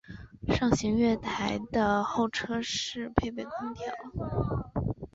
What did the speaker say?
上行月台的候车室配备空调。